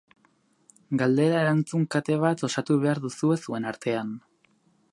Galdera-erantzun kate bat osatu behar duzue zuen artean.